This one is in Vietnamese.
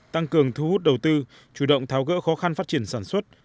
tăng cường thu hút đầu tư chủ động tháo gỡ khó khăn phát triển sản xuất